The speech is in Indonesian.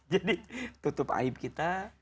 jadi tutup aib kita